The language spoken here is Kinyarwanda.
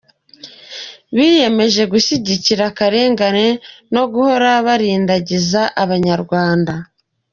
Biyemeje gushyigikira akarengane no guhora barindagiza abanyarwanda.